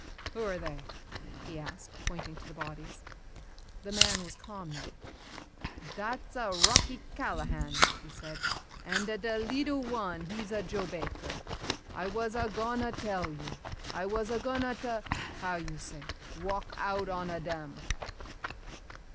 "Who are they?" he asked pointing to the bodies. The man was calm now. "Dat's a' Rocky Callahan," he said, "an'a da leetle wan he's a Joe Baker. I was a' gon' ta tell you. I was a' gon' ta how you say walk out on a' dem."